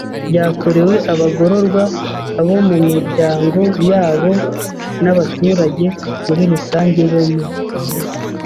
byakorewe abagororwa abo mu miryango yabo n abaturage muri rusange bo mu